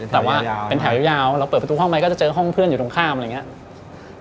แต่ว่าเป็นแถวยาวเราเปิดประตูห้องไปก็จะเจอห้องเพื่อนอยู่ตรงข้ามอะไรอย่างนี้